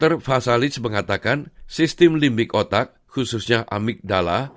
dr fasalic mengatakan sistem limbik otak khususnya amik dala